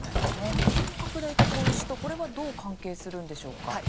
感染拡大と投資とこれはどう関係するんでしょうか。